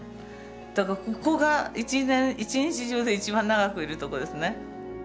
だからここが一年一日中で一番長くいるとこですね。